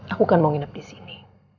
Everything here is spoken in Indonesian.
aku kan mau nginep di sini